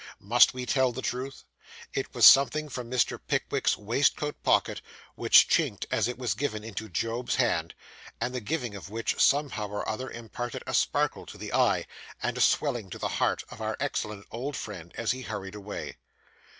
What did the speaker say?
Must we tell the truth? It was something from Mr. Pickwick's waistcoat pocket, which chinked as it was given into Job's hand, and the giving of which, somehow or other imparted a sparkle to the eye, and a swelling to the heart, of our excellent old friend, as he hurried away.